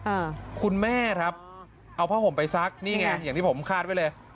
อ่าคุณแม่ครับเอาผ้าห่มไปซักนี่ไงอย่างที่ผมคาดไว้เลย